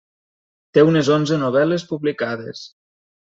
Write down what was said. Té unes onze novel·les publicades.